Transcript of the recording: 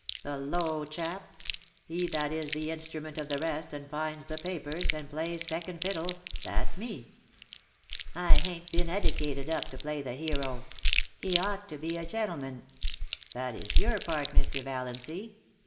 The low chap : he that is the instrument of the rest, and finds the papers, and plays second fiddle, thafs me. I hain't been eddicated up to play the hero. He ought to be a gentleman. That is your part, Mr. Valiancy.